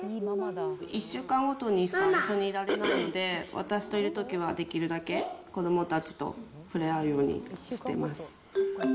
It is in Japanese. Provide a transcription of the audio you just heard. １週間ごとにしか一緒にいられないので、私といるときは、できるだけ子どもたちと触れ合うようにしてます。